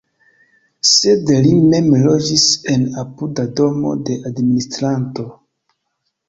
Sed li mem loĝis en apuda domo de administranto.